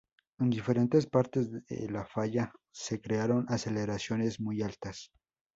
En diferentes partes de la falla se crearon aceleraciones muy altas.